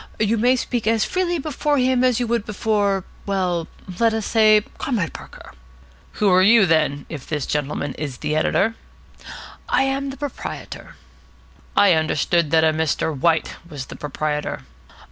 You may speak as freely before him as you would before well, let us say Comrade Parker." "Who are you, then, if this gentleman is the editor?" "I am the proprietor." "I understood that a Mr. White was the proprietor."